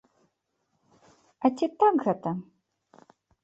А ці так гэта?